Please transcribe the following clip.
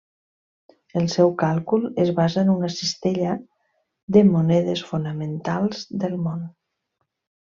El seu càlcul es basa en una cistella de monedes fonamentals del món.